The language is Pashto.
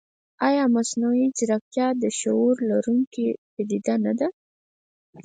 ایا مصنوعي ځیرکتیا د شعور لرونکې پدیده نه ده؟